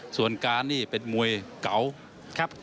ส่วนการนี่เป็นมวยเก๋า